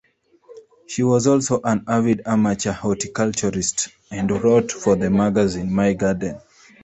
She was also an avid amateur horticulturalist and wrote for the magazine "My Garden".